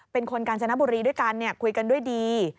เป็นคนกาญจนบุรีด้วยกันคุยกันด้วยดี